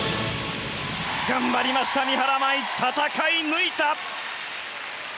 頑張りました三原舞依戦い抜いた！